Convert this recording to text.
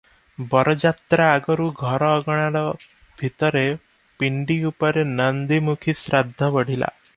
ବରଯାତ୍ରା ଆଗରୁ ଘର ଅଗଣା ଭିତରେ ପିଣ୍ଡି ଉପରେ ନାନ୍ଦୀମୁଖୀ ଶ୍ରାଦ୍ଧ ବଢ଼ିଲା ।